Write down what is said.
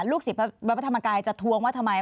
ศิษย์วัดพระธรรมกายจะทวงว่าทำไม